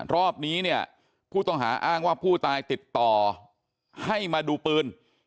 รอบนี้เนี่ยผู้ต้องหาอ้างว่าผู้ตายติดต่อให้มาดูปืน